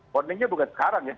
warningnya bukan sekarang ya